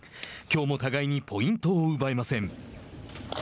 きょうも互いにポイントを奪えません。